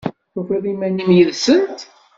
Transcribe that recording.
Tufiḍ iman-im yid-sent?